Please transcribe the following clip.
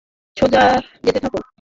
সোজা যেতে থাকো।